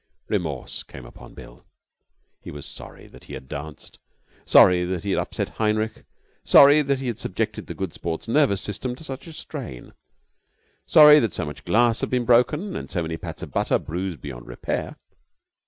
Remorse came upon Bill. He was sorry that he had danced; sorry that he had upset Heinrich; sorry that he had subjected the Good Sport's nervous system to such a strain; sorry that so much glass had been broken and so many pats of butter bruised beyond repair.